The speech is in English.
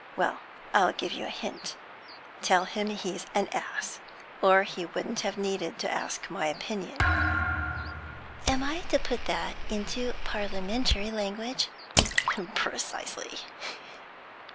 Well, I'll give you a hint. Tell him he's an ass, or he wouldn't have needed to ask my opinion.' 'I am to put that into parliamentary language?' 'Precisely.'